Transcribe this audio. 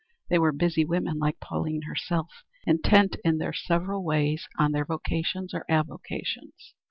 They were busy women like Pauline herself, intent in their several ways on their vocations or avocations.